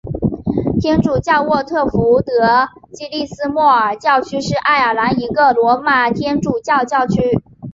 天主教沃特福德暨利斯莫尔教区是爱尔兰一个罗马天主教教区。